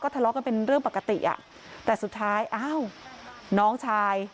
ทะเลาะกันเป็นเรื่องปกติอ่ะแต่สุดท้ายอ้าวน้องชาย